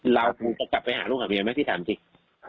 เราจะจับไปหาลูกครับเมียไหมที่ถามจริง